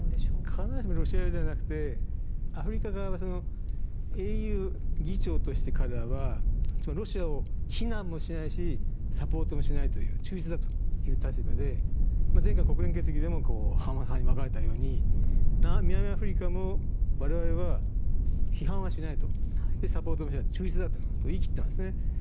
必ずしもロシア寄りではなくてアフリカはＡＵ議長として彼らはロシアを非難もしないしサポートもしないという中立だという立場で前回、国連決議でも半々に分かれたように南アフリカも我々は批判はしないサポートもしないと中立であると言い切っていますね。